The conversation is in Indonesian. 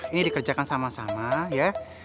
ini dikerjakan sama sama ya